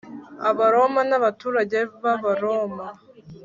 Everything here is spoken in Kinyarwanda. Abaroma n’ abaturage b’ Abaroma